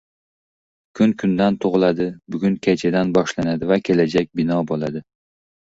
• Kun kundan tug‘iladi, bugun kechadan boshlanadi va kelajak bino bo‘ladi.